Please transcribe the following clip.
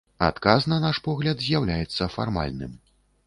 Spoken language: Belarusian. Адказ, на наш погляд, з'яўляецца фармальным.